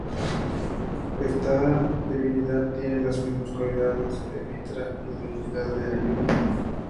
Esta divinidad tiene las mismas cualidades de Mitra, la divinidad de la lluvia.